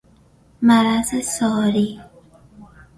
مرض ساری